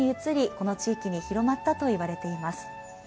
この地域に広まったといわれています。